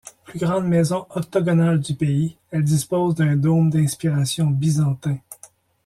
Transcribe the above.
Plus grande maison octogonale du pays, elle dispose d'un dôme d'inspiration byzantin.